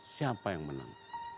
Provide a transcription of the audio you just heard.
siapa yang menang